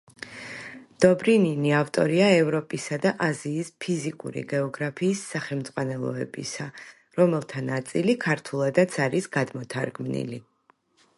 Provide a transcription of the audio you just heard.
დობრინინი ავტორია ევროპისა და აზიის ფიზიკური გეოგრაფიის სახელმძღვანელოებისა, რომელთა ნაწილი ქართულადაც არის გადმოთარგმნილი.